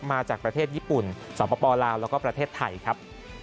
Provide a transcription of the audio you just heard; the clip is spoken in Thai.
มาจากประเทศญี่ปุ่นสปลาวแล้วก็ประเทศไทยครับ